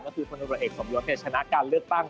ก็คือคนโดยตัวเอกสมรวจเนี่ยชนะการเลือกตั้ง